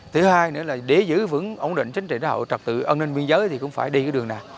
thứ hai nữa là để giữ vững ổn định chính trị xã hội trật tự ân ninh biên giới thì cũng phải đi cái đường này